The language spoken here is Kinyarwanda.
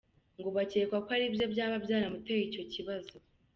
Ngo bakeka ko aribyo byaba byaramuteye icyo kibazo.